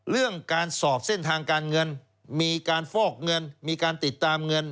เรื่องการสอบเส้นทางการเงินมีการฟอกเงินมีการติดตามเงิน